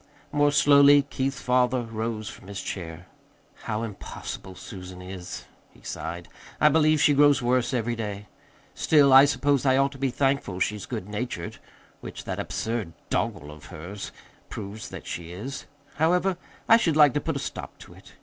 More slowly Keith's father rose from his chair. "How impossible Susan is," he sighed. "I believe she grows worse every day. Still I suppose I ought to be thankful she's good natured which that absurd doggerel of hers proves that she is. However, I should like to put a stop to it.